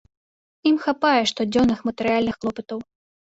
Ім хапае штодзённых матэрыяльных клопатаў.